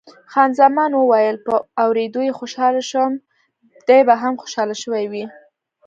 خان زمان وویل، په اورېدلو یې خوشاله شوم، دی به هم خوشاله شوی وي.